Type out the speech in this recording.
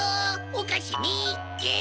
おかしみっけ！